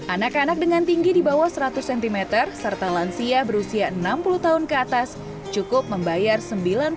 anak anak dengan tinggi di bawah seratus cm serta lansia berusia enam puluh tahun ke atas cukup membayar